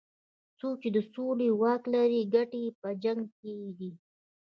څوک چې د سولې واک لري ګټې یې په جنګ کې دي.